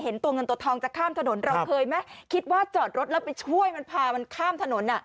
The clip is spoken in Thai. ตัวเงินตัวทองจะข้ามถนนเราเคยไหมคิดว่าจอดรถแล้วไปช่วยมันพามันข้ามถนน